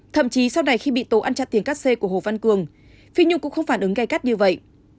thậm chí sau này khi bị tố ăn chặt tiếng cắt xê của hồ văn cường phi nhung cũng không phản ứng gây gắt như vậy